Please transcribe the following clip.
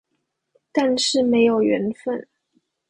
但是沒有緣分